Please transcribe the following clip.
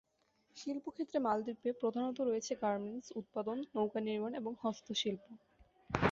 শিল্প ক্ষেত্রে মালদ্বীপে প্রধানত রয়েছে গার্মেন্টস উৎপাদন, নৌকা নির্মাণ, এবং হস্তশিল্প।